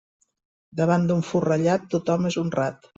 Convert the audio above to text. Davant d'un forrellat, tothom és honrat.